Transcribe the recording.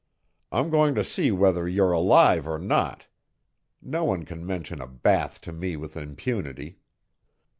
I'm going to see whether you're alive or not. No one can mention a bath to me with impunity."